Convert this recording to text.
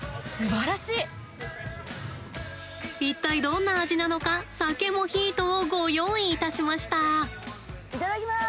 一体どんな味なのか酒モヒートをご用意いたしました。